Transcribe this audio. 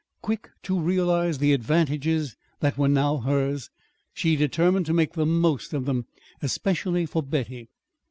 Quick to realize the advantages that were now hers, she determined to make the most of them especially for Betty.